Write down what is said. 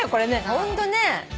ホントね。